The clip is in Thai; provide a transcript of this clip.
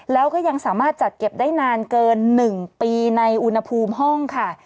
แล้วก็ยังสามารถจัดเก็บได้นานเกิน๑ปีในอุณหภูมิห้องค่ะ